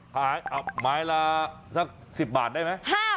ไม้ละสัก๑๐บาทได้ไหม